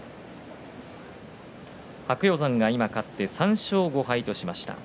白鷹山が勝って３勝５敗としました。